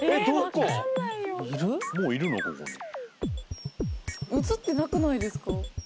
ここに映ってなくないですか？